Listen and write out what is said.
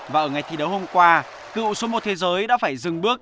và ở ngày thi đấu hôm qua cựu số một thế giới đã phải dừng bước